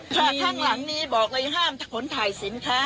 ข้างหลังนี้บอกเลยห้ามขนถ่ายสินค้า